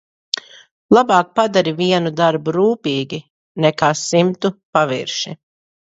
Labāk padari vienu darbu rūpīgi nekā simtu pavirši.